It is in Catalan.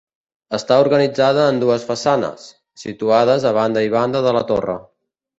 Està organitzada en dues façanes, situades a banda i banda de la torre.